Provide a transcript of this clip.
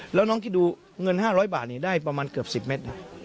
แล้วน้องคิดดูเงินห้าร้อยบาทนี่ได้ประมาณเกือบสิบเม็ดน่ะ